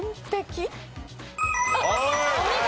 お見事。